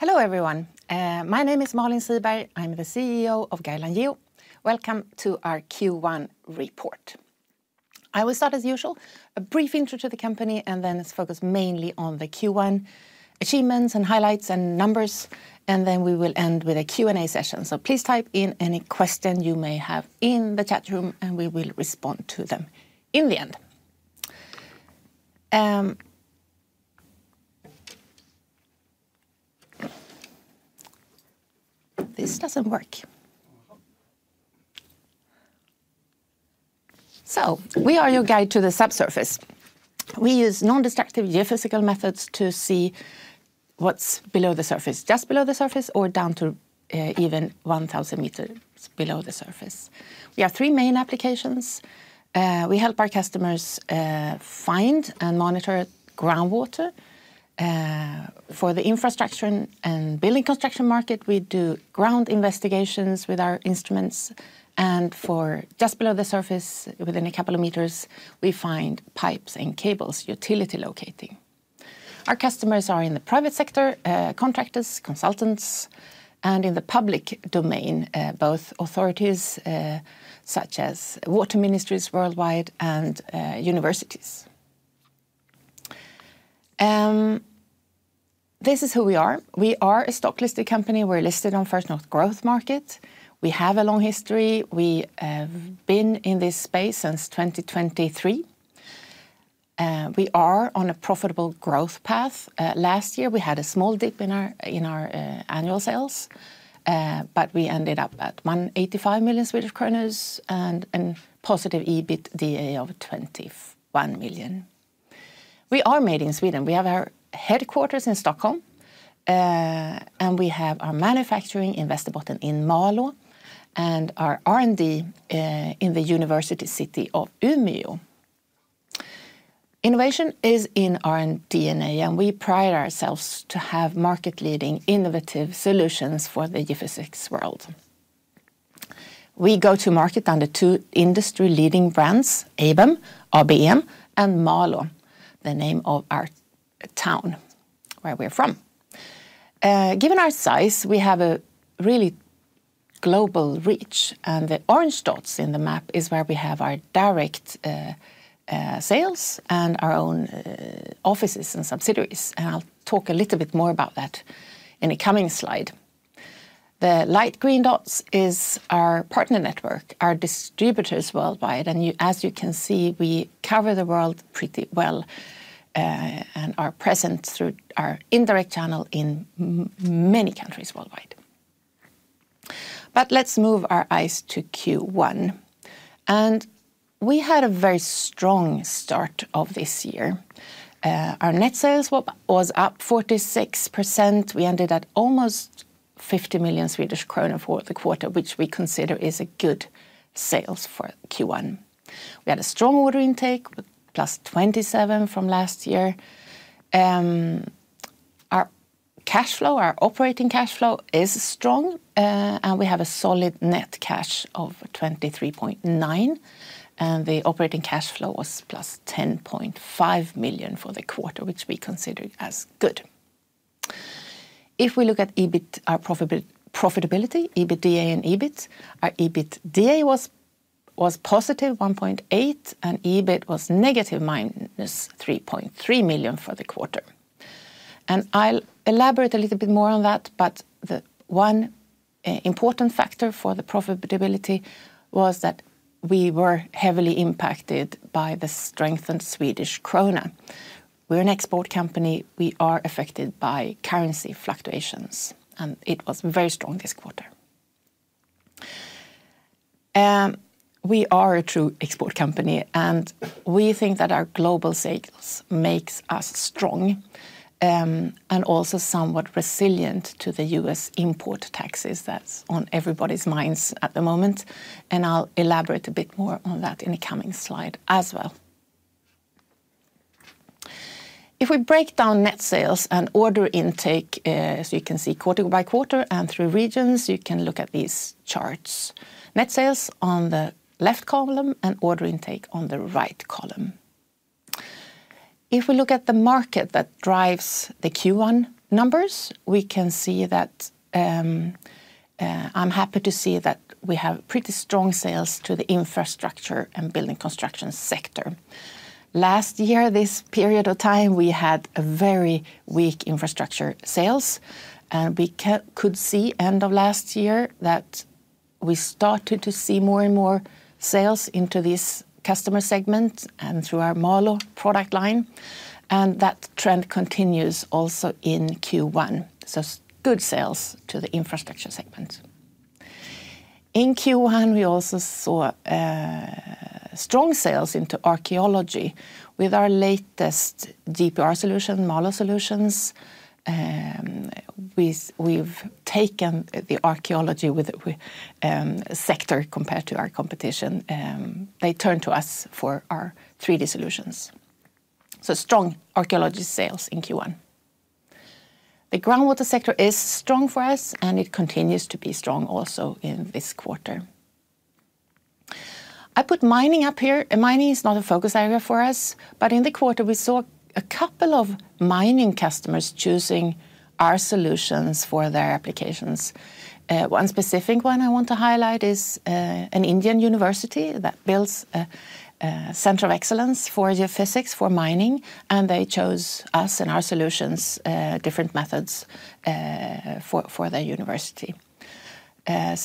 Hello everyone, my name is Malin Siberg. I'm the CEO of Guideline Geo. Welcome to our Q1 report. I will start as usual, a brief intro to the company, and then focus mainly on the Q1 achievements and highlights and numbers. We will end with a Q&A session. Please type in any question you may have in the chat room, and we will respond to them in the end. This doesn't work. We are your guide to the subsurface. We use non-destructive geophysical methods to see what's below the surface, just below the surface, or down to even 1,000 m below the surface. We have three main applications. We help our customers find and monitor groundwater. For the infrastructure and building construction market, we do ground investigations with our instruments. For just below the surface, within a couple of meters, we find pipes and cables, utility locating. Our customers are in the private sector, contractors, consultants, and in the public domain, both authorities such as water ministries worldwide and universities. This is who we are. We are a stock-listed company. We are listed on First North Growth Market. We have a long history. We have been in this space since 2023. We are on a profitable growth path. Last year, we had a small dip in our annual sales, but we ended up at 185 million Swedish kronor and a positive EBITDA of 21 million. We are made in Sweden. We have our headquarters in Stockholm, and we have our manufacturing in Västerbotten in Malå, and our R&D in the university city of Umeå. Innovation is in our DNA, and we pride ourselves to have market-leading innovative solutions for the geophysics world. We go to market under two industry-leading brands, ABEM and Malå, the name of our town where we're from. Given our size, we have a really global reach, and the orange dots in the map is where we have our direct sales and our own offices and subsidiaries. I'll talk a little bit more about that in the coming slide. The light green dots are our partner network, our distributors worldwide. As you can see, we cover the world pretty well and are present through our indirect channel in many countries worldwide. Let's move our eyes to Q1. We had a very strong start of this year. Our net sales was up 46%. We ended at almost 50 million Swedish kronor for the quarter, which we consider is a good sales for Q1. We had a strong order intake, +27% from last year. Our cash flow, our operating cash flow is strong, and we have a solid net cash of 23.9 million. The operating cash flow was plus 10.5 million for the quarter, which we consider as good. If we look at our profitability, EBITDA and EBIT, our EBITDA was +1.8 million, and EBIT was -3.3 million for the quarter. I'll elaborate a little bit more on that, but the one important factor for the profitability was that we were heavily impacted by the strengthened Swedish krona. We're an export company. We are affected by currency fluctuations, and it was very strong this quarter. We are a true export company, and we think that our global sales make us strong and also somewhat resilient to the U.S. import taxes that's on everybody's minds at the moment. I'll elaborate a bit more on that in the coming slide as well. If we break down net sales and order intake, as you can see quarter by quarter and through regions, you can look at these charts. Net sales on the left column and order intake on the right column. If we look at the market that drives the Q1 numbers, we can see that I'm happy to see that we have pretty strong sales to the infrastructure and building construction sector. Last year, this period of time, we had very weak infrastructure sales, and we could see at the end of last year that we started to see more and more sales into this customer segment and through our Malå product line. That trend continues also in Q1. Good sales to the infrastructure segment. In Q1, we also saw strong sales into archaeology with our latest GPR solution, Malå Solutions. We've taken the archaeology sector compared to our competition. They turned to us for our 3D solutions. Strong archaeology sales in Q1. The groundwater sector is strong for us, and it continues to be strong also in this quarter. I put mining up here. Mining is not a focus area for us, but in the quarter, we saw a couple of mining customers choosing our solutions for their applications. One specific one I want to highlight is an Indian university that builds a center of excellence for geophysics for mining, and they chose us and our solutions, different methods for their university.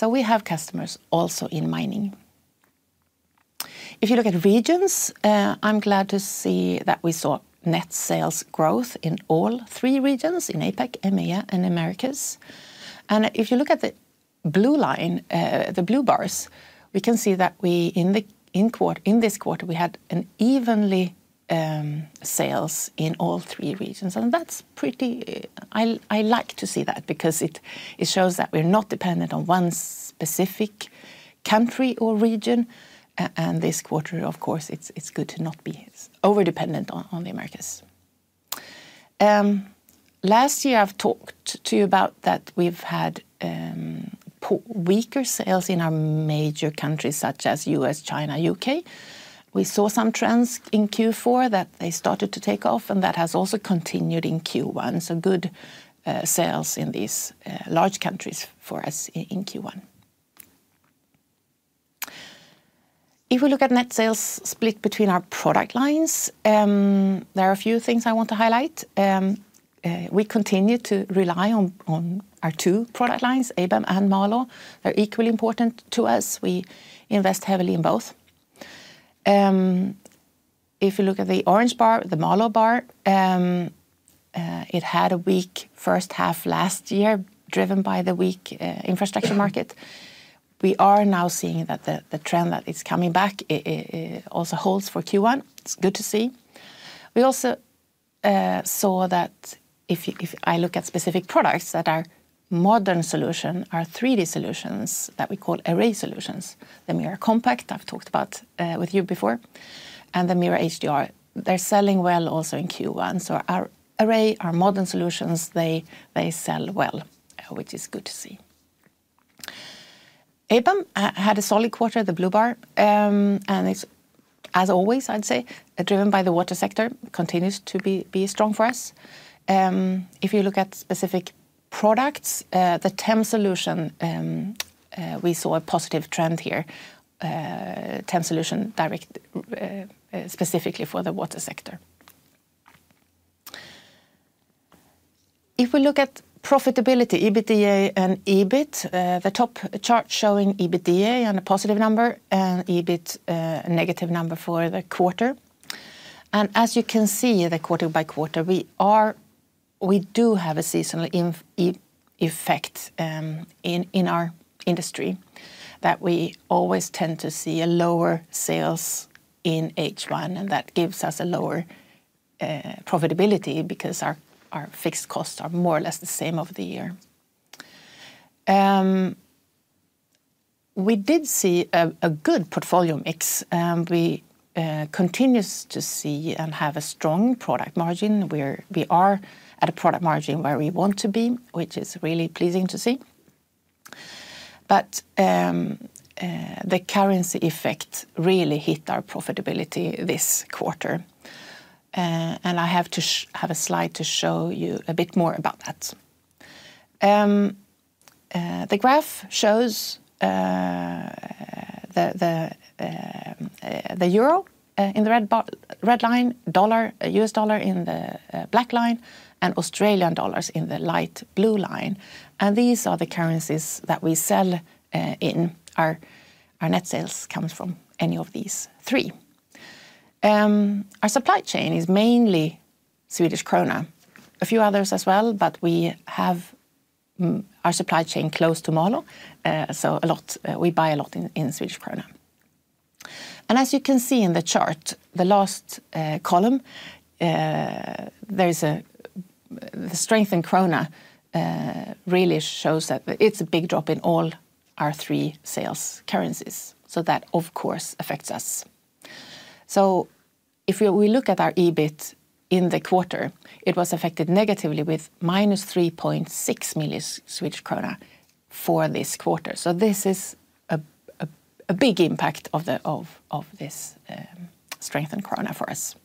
We have customers also in mining. If you look at regions, I'm glad to see that we saw net sales growth in all three regions: in APAC, EMEA, and Americas. If you look at the blue line, the blue bars, we can see that in this quarter, we had an even sales in all three regions. That's pretty. I like to see that because it shows that we're not dependent on one specific country or region. This quarter, of course, it's good to not be overdependent on the Americas. Last year, I've talked to you about that we've had weaker sales in our major countries such as the U.S., China, and the U.K. We saw some trends in Q4 that they started to take off, and that has also continued in Q1. Good sales in these large countries for us in Q1. If we look at net sales split between our product lines, there are a few things I want to highlight. We continue to rely on our two product lines, ABEM and Malå. They're equally important to us. We invest heavily in both. If you look at the orange bar, the Malå bar, it had a weak first half last year, driven by the weak infrastructure market. We are now seeing that the trend that is coming back also holds for Q1. It's good to see. We also saw that if I look at specific products that are modern solutions, our 3D solutions that we call array solutions, the MIRA Compact, I've talked about with you before, and the MIRA HDR, they're selling well also in Q1. Our array, our modern solutions, they sell well, which is good to see. ABEM had a solid quarter, the blue bar. As always, I'd say, driven by the water sector, continues to be strong for us. If you look at specific products, the TEM solution, we saw a positive trend here, TEM solution specifically for the water sector. If we look at profitability, EBITDA and EBIT, the top chart showing EBITDA and a positive number and EBIT, a negative number for the quarter. As you can see, quarter by quarter, we do have a seasonal effect in our industry that we always tend to see lower sales in H1, and that gives us lower profitability because our fixed costs are more or less the same over the year. We did see a good portfolio mix. We continue to see and have a strong product margin. We are at a product margin where we want to be, which is really pleasing to see. The currency effect really hit our profitability this quarter. I have a slide to show you a bit more about that. The graph shows the euro in the red line, US dollar in the black line, and Australian dollars in the light blue line. These are the currencies that we sell in. Our net sales come from any of these three. Our supply chain is mainly Swedish krona, a few others as well, but we have our supply chain close to Malå, so a lot. We buy a lot in Swedish krona. As you can see in the chart, the last column, there's a strength in krona really shows that it's a big drop in all our three sales currencies. That, of course, affects us. If we look at our EBIT in the quarter, it was affected negatively with -3.6 million Swedish krona for this quarter. This is a big impact of this strength in krona for us.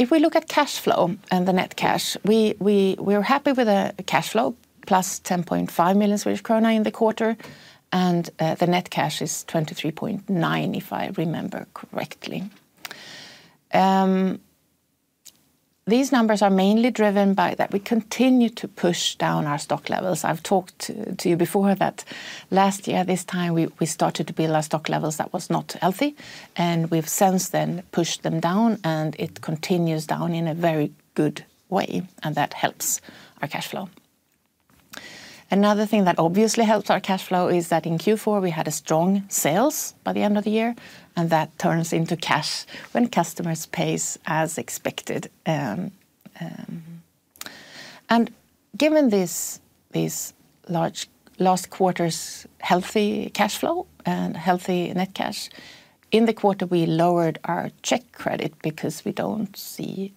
If we look at cash flow and the net cash, we're happy with the cash flow, +10.5 million Swedish krona in the quarter, and the net cash is 23.9 million, if I remember correctly. These numbers are mainly driven by that we continue to push down our stock levels. I've talked to you before that last year, this time, we started to build our stock levels that was not healthy, and we've since then pushed them down, and it continues down in a very good way, and that helps our cash flow. Another thing that obviously helps our cash flow is that in Q4, we had strong sales by the end of the year, and that turns into cash when customers pay as expected. Given these large last quarter's healthy cash flow and healthy net cash, in the quarter, we lowered our check credit because we do not see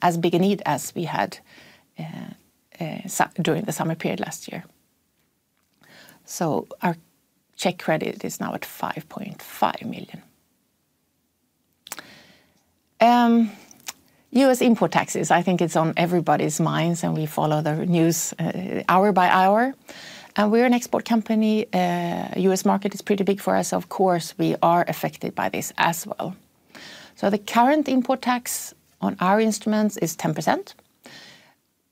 as big a need as we had during the summer period last year. Our check credit is now at 5.5 million. U.S. import taxes, I think it's on everybody's minds, and we follow the news hour by hour. We're an export company. The U.S. market is pretty big for us. Of course, we are affected by this as well. The current import tax on our instruments is 10%.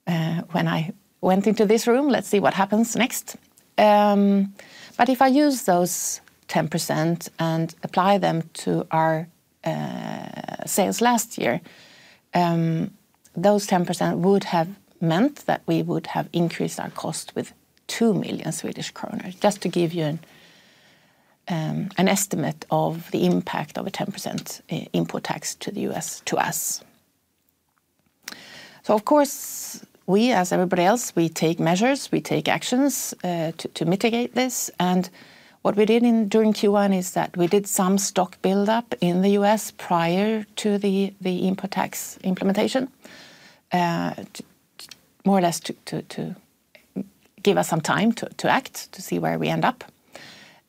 When I went into this room, let's see what happens next. If I use those 10% and apply them to our sales last year, those 10% would have meant that we would have increased our cost with 2 million Swedish kronor, just to give you an estimate of the impact of a 10% import tax to the U.S., to us. Of course, we, as everybody else, we take measures, we take actions to mitigate this. What we did during Q1 is that we did some stock buildup in the U.S. prior to the import tax implementation, more or less to give us some time to act, to see where we end up.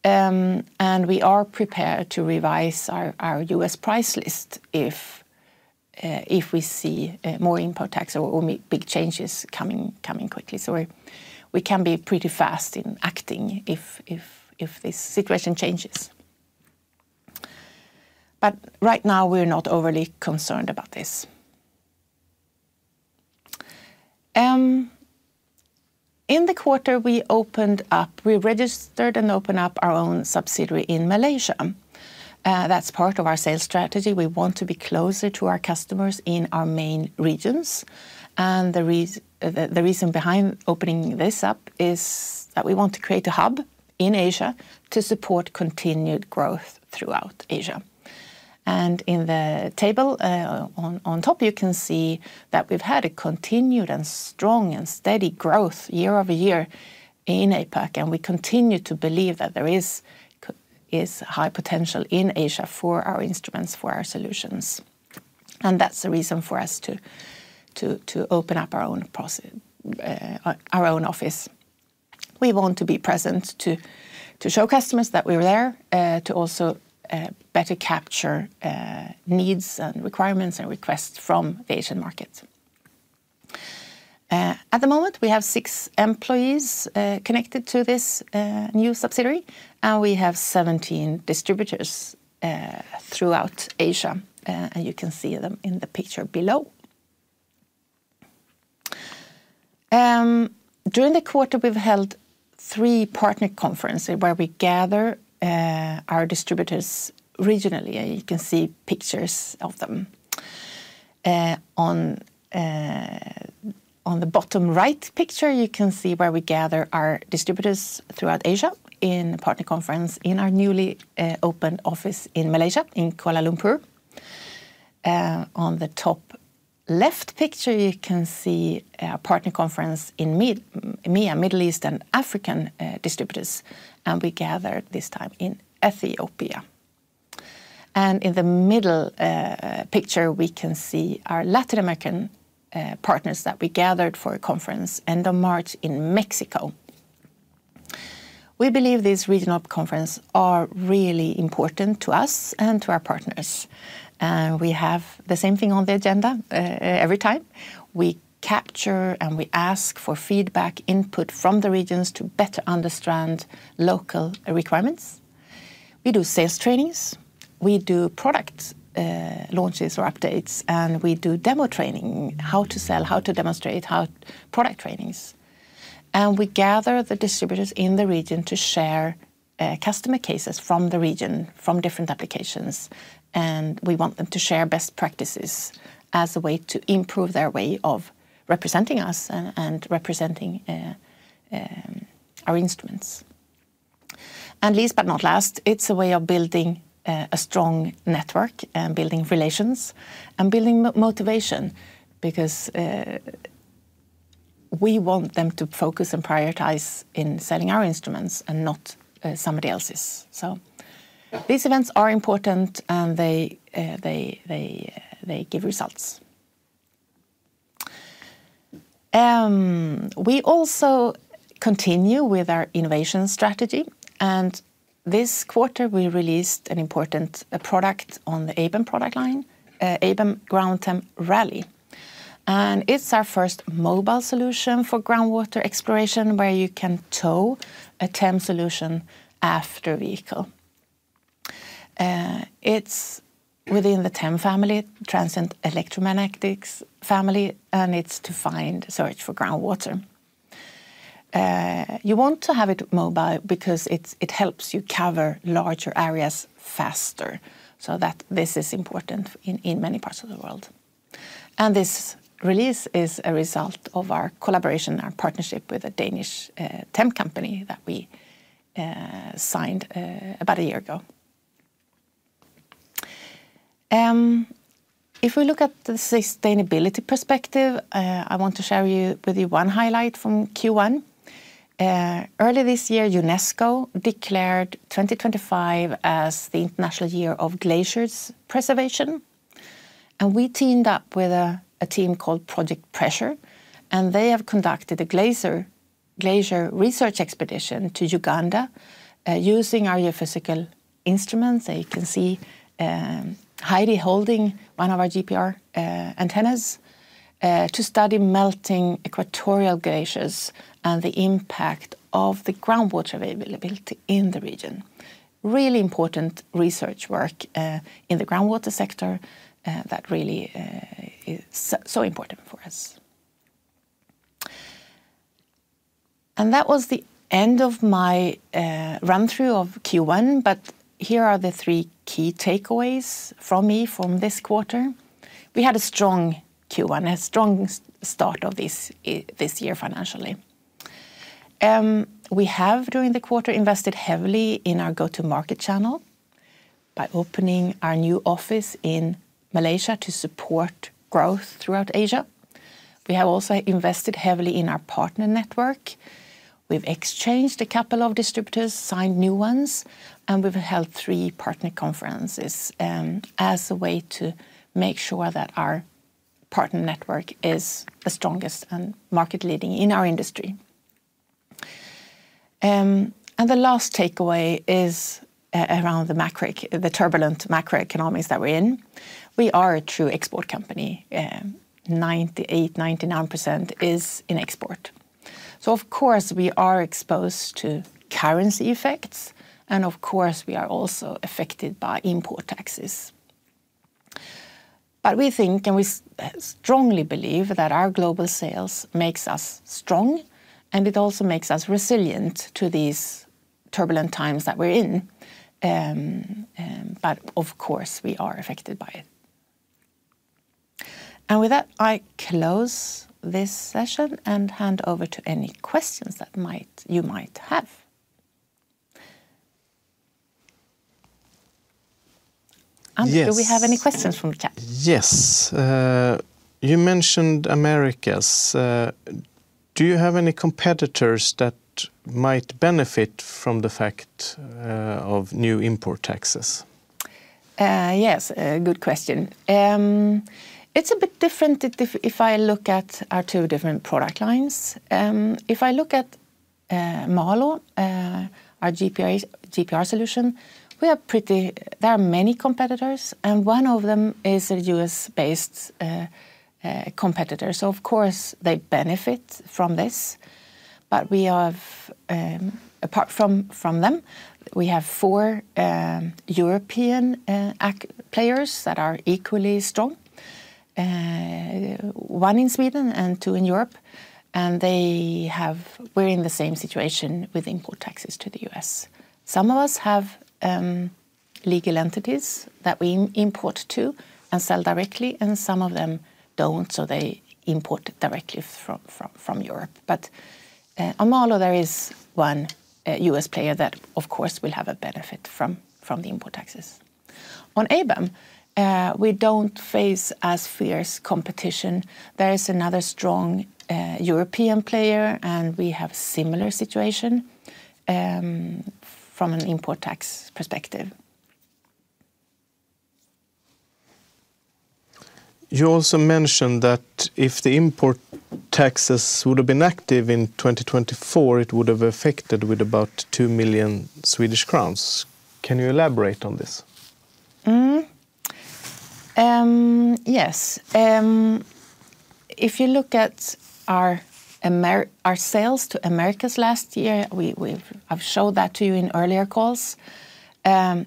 We are prepared to revise our U.S. price list if we see more import tax or big changes coming quickly. We can be pretty fast in acting if this situation changes. Right now, we're not overly concerned about this. In the quarter, we registered and opened up our own subsidiary in Malaysia. That's part of our sales strategy. We want to be closer to our customers in our main regions. The reason behind opening this up is that we want to create a hub in Asia to support continued growth throughout Asia. In the table on top, you can see that we've had a continued and strong and steady growth year-over-year in APAC, and we continue to believe that there is high potential in Asia for our instruments, for our solutions. That's the reason for us to open up our own office. We want to be present to show customers that we're there, to also better capture needs and requirements and requests from the Asian markets. At the moment, we have six employees connected to this new subsidiary, and we have 17 distributors throughout Asia, and you can see them in the picture below. During the quarter, we've held three partner conferences where we gather our distributors regionally, and you can see pictures of them. On the bottom right picture, you can see where we gather our distributors throughout Asia in a partner conference in our newly opened office in Malaysia in Kuala Lumpur. On the top left picture, you can see a partner conference in MEA, Middle East, and African distributors, and we gathered this time in Ethiopia. In the middle picture, we can see our Latin American partners that we gathered for a conference end of March in Mexico. We believe these regional conferences are really important to us and to our partners. We have the same thing on the agenda every time. We capture and we ask for feedback, input from the regions to better understand local requirements. We do sales trainings. We do product launches or updates, and we do demo training, how to sell, how to demonstrate, how product trainings. We gather the distributors in the region to share customer cases from the region, from different applications, and we want them to share best practices as a way to improve their way of representing us and representing our instruments. Least but not last, it's a way of building a strong network and building relations and building motivation because we want them to focus and prioritize in selling our instruments and not somebody else's. These events are important, and they give results. We also continue with our innovation strategy. This quarter, we released an important product on the ABEM product line, ABEM Ground TEM Rally. It's our first mobile solution for groundwater exploration where you can tow a TEM solution after a vehicle. It's within the TEM family, transient electromagnetics family, and it's to find search for groundwater. You want to have it mobile because it helps you cover larger areas faster. That is important in many parts of the world. This release is a result of our collaboration and our partnership with a Danish TEM company that we signed about a year ago. If we look at the sustainability perspective, I want to share with you one highlight from Q1. Early this year, UNESCO declared 2025 as the International Year of Glaciers' Preservation. We teamed up with a team called Project Pressure, and they have conducted a glacier research expedition to Uganda using our geophysical instruments. There you can see Heidi holding one of our GPR antennas to study melting equatorial glaciers and the impact of the groundwater availability in the region. Really important research work in the groundwater sector that really is so important for us. That was the end of my run-through of Q1, but here are the three key takeaways from me from this quarter. We had a strong Q1, a strong start of this year financially. We have, during the quarter, invested heavily in our go-to-market channel by opening our new office in Malaysia to support growth throughout Asia. We have also invested heavily in our partner network. We've exchanged a couple of distributors, signed new ones, and we've held three partner conferences as a way to make sure that our partner network is the strongest and market-leading in our industry. The last takeaway is around the turbulent macroeconomics that we're in. We are a true export company. 98%-99% is in export. Of course, we are exposed to currency effects, and of course, we are also affected by import taxes. We think and we strongly believe that our global sales makes us strong, and it also makes us resilient to these turbulent times that we're in. Of course, we are affected by it. With that, I close this session and hand over to any questions that you might have. Yes. Do we have any questions from the chat? Yes. You mentioned Americas. Do you have any competitors that might benefit from the fact of new import taxes? Yes, good question. It's a bit different if I look at our two different product lines. If I look at Malå, our GPR solution, we have pretty, there are many competitors, and one of them is a U.S.-based competitor. Of course, they benefit from this. Apart from them, we have four European players that are equally strong, one in Sweden and two in Europe. We're in the same situation with import taxes to the U.S. Some of us have legal entities that we import to and sell directly, and some of them don't, so they import directly from Europe. On Malå, there is one U.S. player that, of course, will have a benefit from the import taxes. On ABEM, we don't face as fierce competition. There is another strong European player, and we have a similar situation from an import tax perspective. You also mentioned that if the import taxes would have been active in 2024, it would have affected with about 2 million Swedish crowns. Can you elaborate on this? Yes. If you look at our sales to Americas last year, I've showed that to you in earlier calls.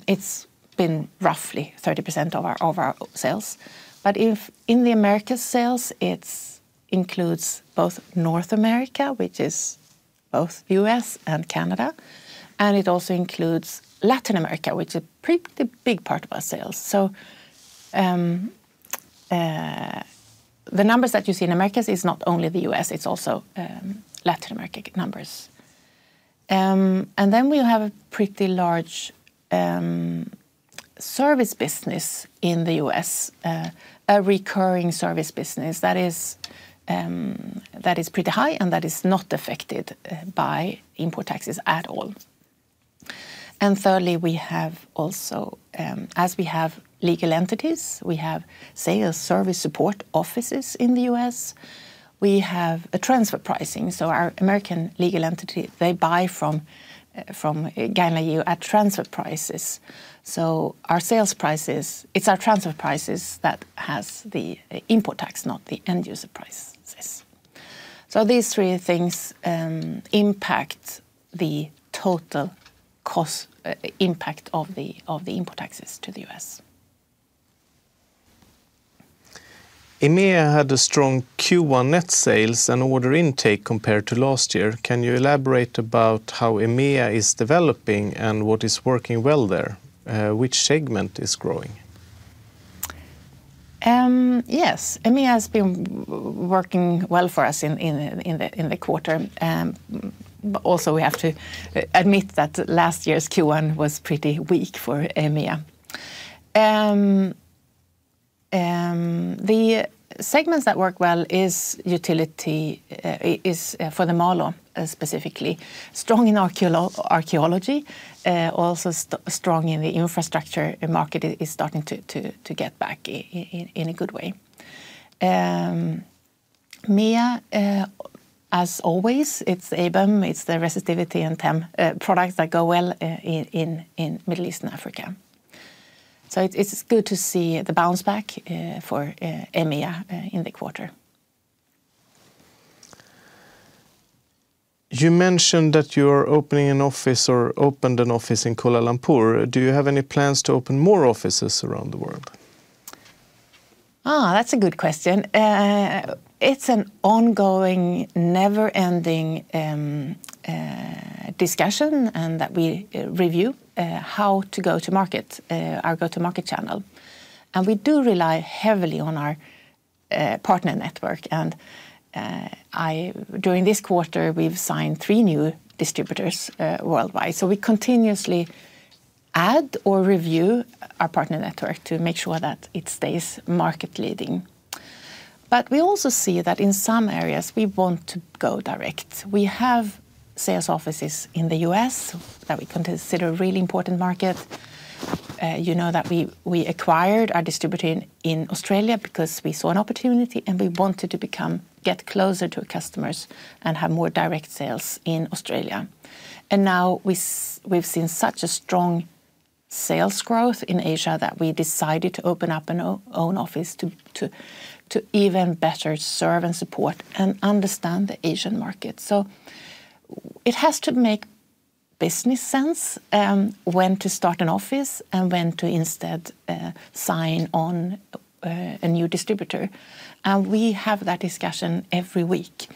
It's been roughly 30% of our sales. In the Americas sales, it includes both North America, which is both U.S. and Canada, and it also includes Latin America, which is a pretty big part of our sales. The numbers that you see in Americas is not only the U.S., it's also Latin American numbers. We have a pretty large service business in the U.S., a recurring service business that is pretty high and that is not affected by import taxes at all. Thirdly, as we have legal entities, we have sales service support offices in the U.S. We have a transfer pricing. Our American legal entity, they buy from Guideline Geo at transfer prices. Our sales prices, it's our transfer prices that has the import tax, not the end user prices. These three things impact the total impact of the import taxes to the U.S. EMEA had a strong Q1 net sales and order intake compared to last year. Can you elaborate about how EMEA is developing and what is working well there? Which segment is growing? Yes. EMEA has been working well for us in the quarter. Also, we have to admit that last year's Q1 was pretty weak for EMEA. The segments that work well is utility for the Malå specifically, strong in archaeology, also strong in the infrastructure market is starting to get back in a good way. EMEA, as always, it's ABEM, it's the resistivity and TEM products that go well in Middle East and Africa. It is good to see the bounce back for EMEA in the quarter. You mentioned that you're opening an office or opened an office in Kuala Lumpur. Do you have any plans to open more offices around the world? That's a good question. It's an ongoing, never-ending discussion and that we review how to go to market, our go-to-market channel. We do rely heavily on our partner network. During this quarter, we've signed three new distributors worldwide. We continuously add or review our partner network to make sure that it stays market-leading. We also see that in some areas, we want to go direct. We have sales offices in the U.S. that we consider a really important market. You know that we acquired our distributor in Australia because we saw an opportunity and we wanted to get closer to our customers and have more direct sales in Australia. Now we've seen such a strong sales growth in Asia that we decided to open up an own office to even better serve and support and understand the Asian market. It has to make business sense when to start an office and when to instead sign on a new distributor. We have that discussion every week.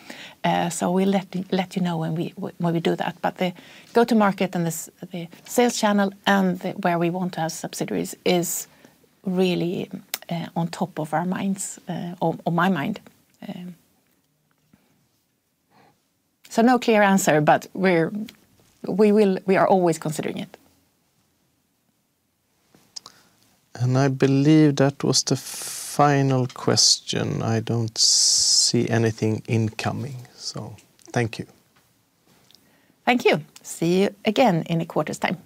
We will let you know when we do that. The go-to-market and the sales channel and where we want to have subsidiaries is really on top of our minds, or my mind. No clear answer, but we are always considering it. I believe that was the final question. I do not see anything incoming. Thank you. Thank you. See you again in a quarter's time.